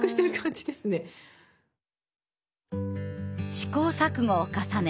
試行錯誤を重ね